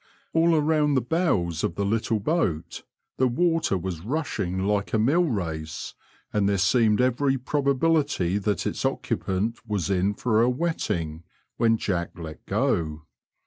All round the bows of the little boat the water was rushing like a mill race, and there seemed every probability that its occupant was in for a wetting ; when Jack let go.